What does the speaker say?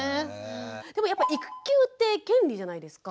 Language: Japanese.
でもやっぱ育休って権利じゃないですか。